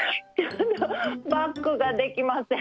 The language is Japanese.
バックができません。